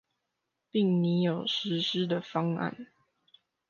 並擬有實施的方案